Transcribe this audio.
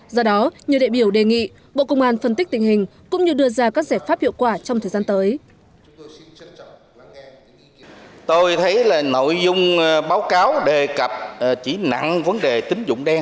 do đó nhiều đại biểu đề nghị bộ công an phân tích tình hình cũng như đưa ra các giải pháp hiệu quả trong thời gian tới